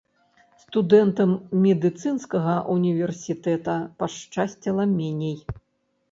Студэнтам медыцынскага універсітэта пашчасціла меней.